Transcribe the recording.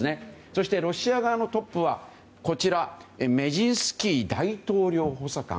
そして、ロシア側のトップはメジンスキー大統領補佐官。